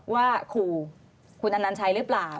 ว่าขู่คุณอนัญชัยหรือเปล่า